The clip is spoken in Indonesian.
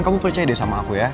kamu percaya deh sama aku ya